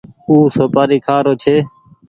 او سوپآري کآ رو ڇي ۔